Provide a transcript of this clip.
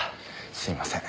すみません。